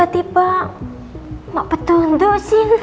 nah kok tiba tiba mbak petundo sih nak